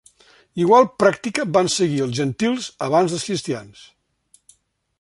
Igual pràctica van seguir els gentils abans dels cristians.